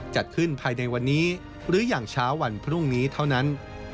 จัดขึ้นภายในวันนี้หรืออย่างเช้าวันพรุ่งนี้เท่านั้น